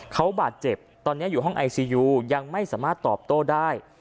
เขาบาดเจ็บตอนนี้อยู่ห้องไอซียูยังไม่สามารถตอบโต้ได้